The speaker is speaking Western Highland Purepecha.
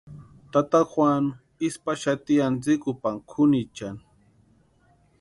Tata Juanu isï paxati antsikupani kʼunichani.